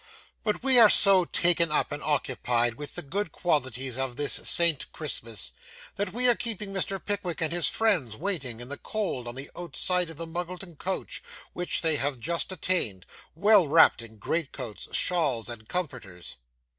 But we are so taken up and occupied with the good qualities of this saint Christmas, that we are keeping Mr. Pickwick and his friends waiting in the cold on the outside of the Muggleton coach, which they have just attained, well wrapped up in great coats, shawls, and comforters.